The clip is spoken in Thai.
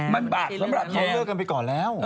มันบาปสำหรับแม่